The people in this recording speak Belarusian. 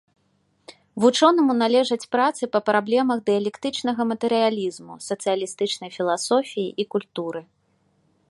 Вучонаму належаць працы па праблемах дыялектычнага матэрыялізму, сацыялістычнай філасофіі і культуры.